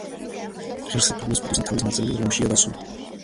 ღირსი პავლეს პატიოსანი თავის ნაწილი რომშია დაცული.